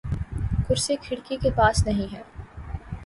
کرسی کھڑکی کے پاس نہیں ہے